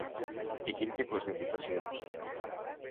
I quin tipus d'invitacions?